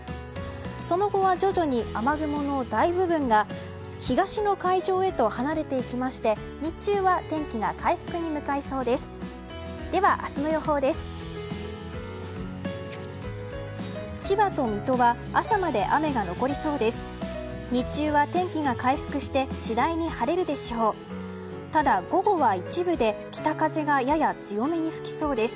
その後は徐々に雨雲の大部分が東の海上へと離れていきまして日中は天気が回復に向かいそうです。